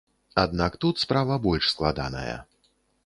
Аднак тут справа больш складаная.